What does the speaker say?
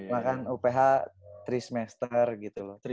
bahkan uph tiga semester gitu loh